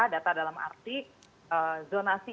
data dalam arti zonasi